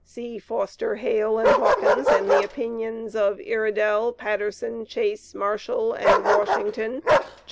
(See Foster, Hale, and Hawkins, and the opinions of Iredell, Patterson, Chase, Marshall, and Washington, J.J.